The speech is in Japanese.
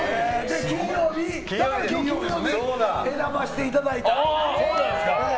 だから金曜日を選ばせていただいた。